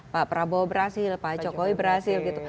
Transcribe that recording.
pak prabowo berhasil pak jokowi berhasil gitu